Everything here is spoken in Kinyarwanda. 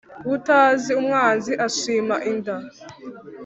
Utazi umwanzi ashima inda.